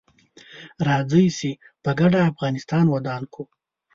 راځي چې په ګډه افغانستان ودان کړو